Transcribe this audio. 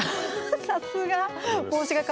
さすが！